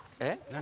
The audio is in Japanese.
何？